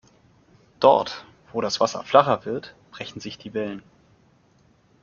Dort, wo das Wasser flacher wird, brechen sich die Wellen.